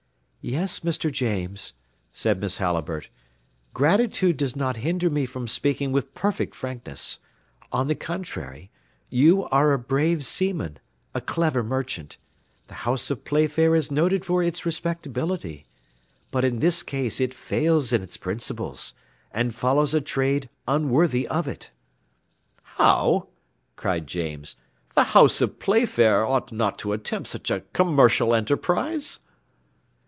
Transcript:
"Yes, Mr. James," said Miss Halliburtt, "gratitude does not hinder me from speaking with perfect frankness; on the contrary, you are a brave seaman, a clever merchant, the house of Playfair is noted for its respectability; but in this case it fails in its principles, and follows a trade unworthy of it." "How!" cried James, "the house of Playfair ought not to attempt such a commercial enterprise?"